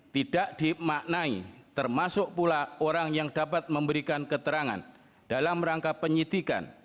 tidak dimaknai termasuk pula orang yang dapat memberikan keterangan dalam rangka penyidikan